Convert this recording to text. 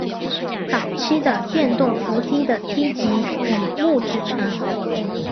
早期的电动扶梯的梯级以木制成。